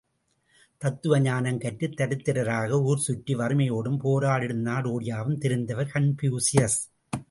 தத்துவ ஞானம் கற்றுத் தரித்திரராக ஊர் சுற்றிச் சுற்றி வறுமையோடும் போராடிடும் நாடோடியாகவும் திரிந்தவர் கன்பூசியஸ்!